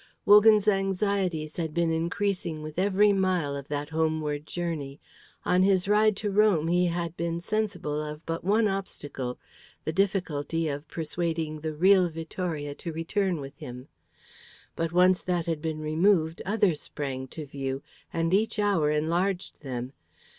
Wogan's anxieties had been increasing with every mile of that homeward journey. On his ride to Rome he had been sensible of but one obstacle, the difficulty of persuading the real Vittoria to return with him. But once that had been removed, others sprang to view, and each hour enlarged them.